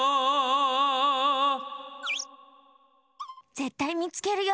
ぜったいみつけるよ。